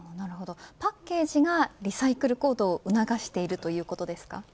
パッケージがリサイクル行動を促しているということですか。